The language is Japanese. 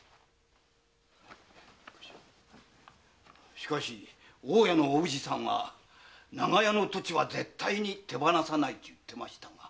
しかし大家のお藤さんは「長屋の土地は絶対に手放さない」と。